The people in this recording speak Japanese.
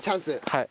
はい。